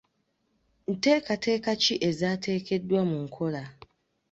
Nteekateeka ki ezaateekeddwa mu nkola?